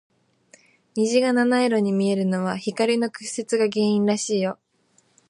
虹が七色に見えるのは、光の屈折が原因らしいよ。